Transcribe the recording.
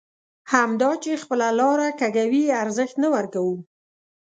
همدا چې خپله لاره کږوي ارزښت نه ورکوو.